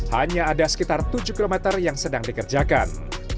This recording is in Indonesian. hanya ada sekitar tujuh km yang sedang dikerjakan